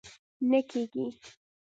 نه کېږي!